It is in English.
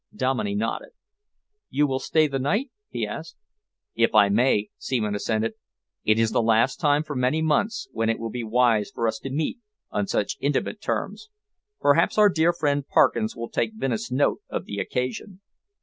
Dominey nodded. "You will stay the night?" he asked. "If I may," Seaman assented. "It is the last time for many months when it will be wise for us to meet on such intimate terms. Perhaps our dear friend Parkins will take vinous note of the occasion."